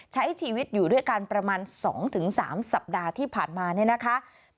ใช้ชีวิตอยู่ด้วยกันประมาณ๒๓สัปดาห์ที่ผ่านมาเนี่ยนะคะ